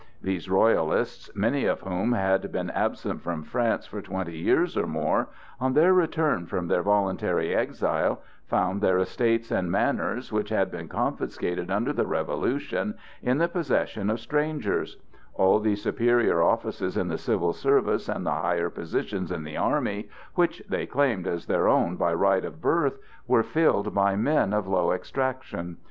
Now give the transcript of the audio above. These Royalists, many of whom had been absent from France for twenty years or more, on their return from their voluntary exile, found their estates and manors, which had been confiscated under the Revolution, in the possession of strangers; all the superior offices in the civil service and the higher positions in the army, which they claimed as their own by right of birth, were filled by men of low extraction.